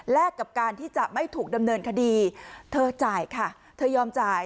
กับการที่จะไม่ถูกดำเนินคดีเธอจ่ายค่ะเธอยอมจ่าย